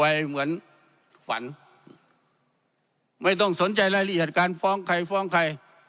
เหมือนฝันไม่ต้องสนใจรายละเอียดการฟ้องใครฟ้องใคร